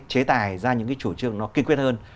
chế tài ra những cái chủ trương nó kiên quyết hơn